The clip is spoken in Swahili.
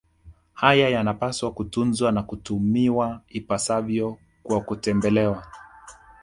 Haya yanapaswa kutunzwa na kutumiwa ipasavyo kwa kutembelewa